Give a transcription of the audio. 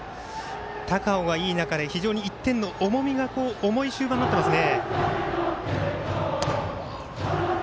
高尾がいい中で、非常に１点の重みが重い終盤になっていますね。